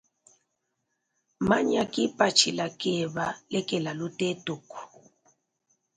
Manya kipatshila keba lekela lutetuku.